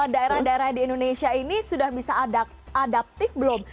daerah daerah di indonesia ini sudah bisa adaptif belum